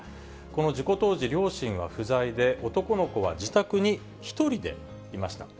この事故当時、両親は不在で、男の子は自宅に１人でいました。